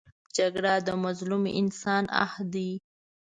جګړه د مظلوم انسان آه دی